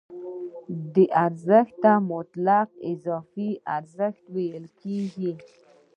دې ارزښت ته مطلق اضافي ارزښت ویل کېږي